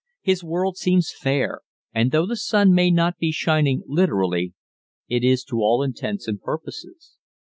His world seems fair, and though the sun may not be shining literally, it is to all intents and purposes.